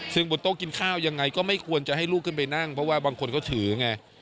ซึ่งบนโต๊ะกินข้าวยังไงก็ไม่ควรจะให้ลูกขึ้นไปนั่งเพราะว่าบางคนก็ถือไง